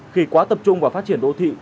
khi quá tập trung vào phát triển đô thị